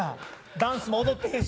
ダンスも踊ってへんし。